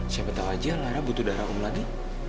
siapa tahu aja lara butuh darah umum lagi